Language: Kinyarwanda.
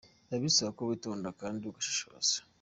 Biba bisaba ko witonda kandi ugashishoza.